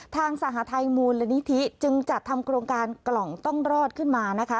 ทางสหทัยมูลนิธิจึงจัดทำโครงการกล่องต้องรอดขึ้นมานะคะ